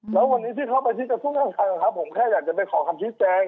แล้ววันนี้ที่เขาไปที่จะพูดง่ายนะครับผมแค่อยากจะไปขอคำชี้แจง